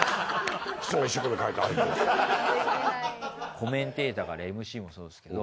コメンテーターからＭＣもそうですけど。